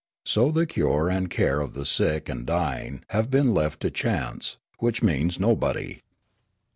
So the cure and care of the sick and dying have been left to chance, which means nobody.